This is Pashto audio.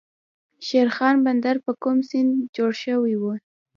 شیرخان بندر په کوم سیند جوړ شوی؟